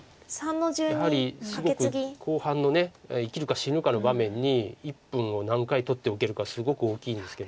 やはりすごく後半の生きるか死ぬかの場面に１分を何回取っておけるかすごく大きいんですけど。